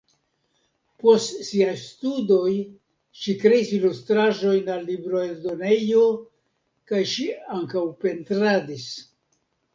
Post siaj studoj ŝi kreis ilustraĵojn al libroeldonejo kaj ŝi ankaŭ pentradis.